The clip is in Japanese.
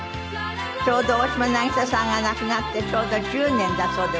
ちょうど大島渚さんが亡くなってちょうど１０年だそうでございます。